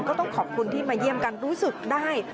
ก็ต้องขอบคุณที่มาเยี่ยมกันรู้สึกได้